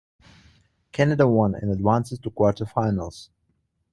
Canada won and advanced to the quarter-finals.